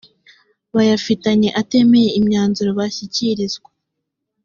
bayafitanye atemeye imyanzuro bishyikirizwa